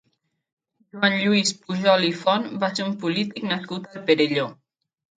Joan Lluís Pujol i Font va ser un polític nascut al Perelló.